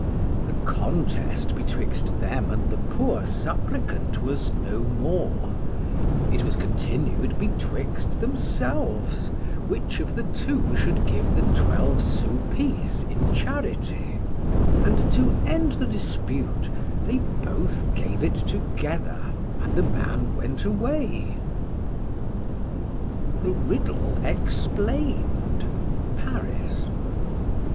The contest betwixt them and the poor supplicant was no more;—it was continued betwixt themselves, which of the two should give the twelve sous piece in charity;—and, to end the dispute, they both gave it together, and the man went away. THE RIDDLE EXPLAINED. PARIS.